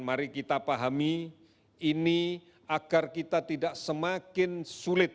mari kita pahami ini agar kita tidak semakin sulit